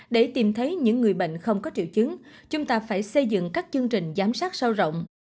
để tìm thấy những người bệnh không có triệu chứng chúng ta phải xây dựng các chương trình giám sát sâu rộng